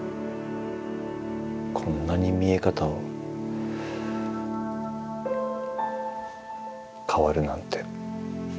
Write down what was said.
こんなに見え方を変わるなんて。